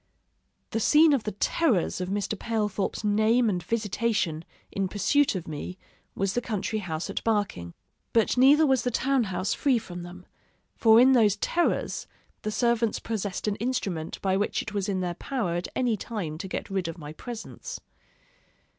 The scene of the terrors of Mr. Palethorp's name and visitation, in pursuit of me, was the country house at Barking; but neither was the town house free from them; for in those terrors, the servants possessed an instrument by which it was in their power at any time to get rid of my presence.